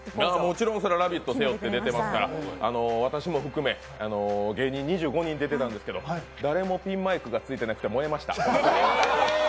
もちろん「ラヴィット！」を背負って出てますから、私も含め、芸人２５人出てたんですけど誰もピンマイクがついていなくて。